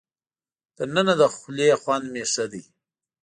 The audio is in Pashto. تر ننه د خولې خوند مې ښه دی.